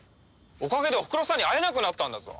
おかげでおふくろさんに会えなくなったんだぞ。